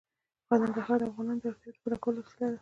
ننګرهار د افغانانو د اړتیاوو د پوره کولو وسیله ده.